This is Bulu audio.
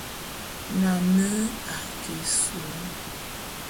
Nane a ke ésulán.